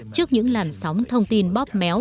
trước những làn sóng thông tin bóp méo